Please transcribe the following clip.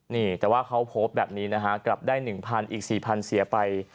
นี่แต่ว่าเขาโพสต์แบบนี้นะฮะกลับได้๑๐๐อีก๔๐๐เสียไป